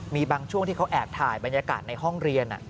มีบางช่วงที่เขาแอบถ่ายบรรยากาศในห้องเรียน